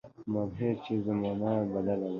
مانهیر چي زمانه بدله ده